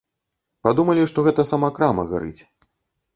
Падумалі, што гэта сама крама гарыць.